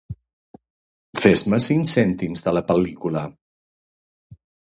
Fes-me cinc cèntims de la pel·lícula.